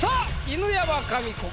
犬山紙子！